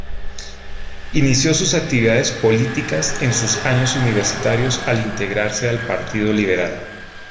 Inició sus actividades políticas en sus años universitarios al integrarse al Partido Liberal.